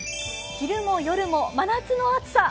昼も夜も真夏の暑さ。